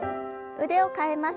腕を替えます。